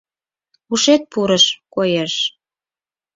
— Ушет пурыш, коеш.